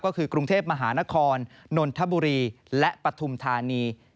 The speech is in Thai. ก็คือกรุงเทพมหานครนนทบุรีและปฐุมธานี